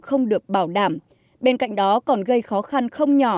không được bảo đảm bên cạnh đó còn gây khó khăn không nhỏ